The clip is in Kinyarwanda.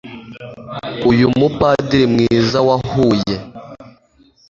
uyu mupadiri mwiza wa huye